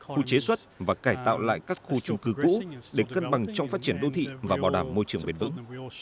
khu chế xuất và cải tạo lại các khu trung cư cũ để cân bằng trong phát triển đô thị và bảo đảm môi trường bền vững